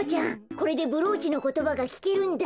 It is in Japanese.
これでブローチのことばがきけるんだ。